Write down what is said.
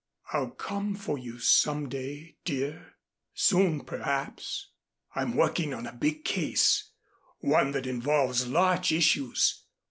"I'll come for you some day, dear, soon perhaps. I'm working on a big case, one that involves large issues.